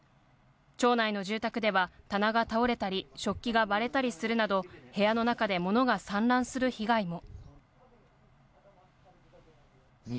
町内の住宅では棚が倒れたり、食器が割れたりするなど部屋の中で物が散乱する被害も。